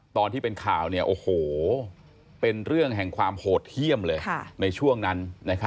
ตอนที่เป็นข่าวเป็นเรื่องแห่งความโหดเยี่ยมเลยในช่วงนั้น